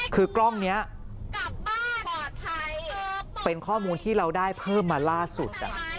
คือกล้องนี้เป็นข้อมูลที่เราได้เพิ่มมาล่าสุด